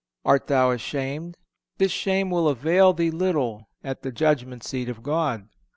Art thou ashamed? This shame will avail thee little at the judgment seat of God."